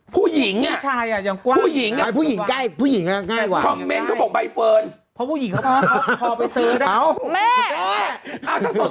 ผู้หญิงให้ผู้หญิงผู้หญิงค่ะผู้หญิงแป่ง